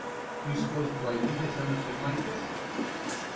Do you suppose Brightly has done a thing like this?"